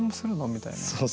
みたいな。